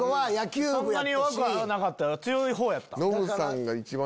そんなに弱くはなかった強いほうやった。